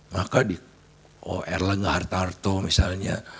maka di erlangga hartarto misalnya